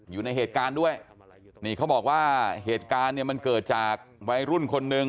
อยู่ในเหตุการณ์ด้วยนี่เขาบอกว่าเหตุการณ์เนี่ยมันเกิดจากวัยรุ่นคนหนึ่ง